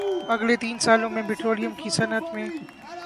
اگلے تین سالوں میں پٹرولیم کی صنعت میں